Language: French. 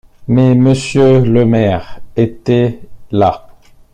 Mais Monsieur le maire était là.